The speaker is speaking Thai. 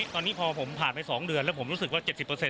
ตอนนี้พอผมผ่านไป๒เดือนแล้วผมรู้สึกว่า๗๐